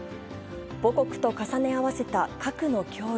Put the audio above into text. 母国と重ね合わせた核の脅威。